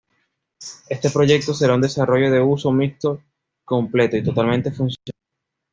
Este proyecto será un desarrollo de uso mixto completo y totalmente funcional.